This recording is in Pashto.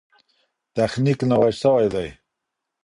تخنیک نوی سوی دی.